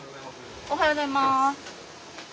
おはようございます。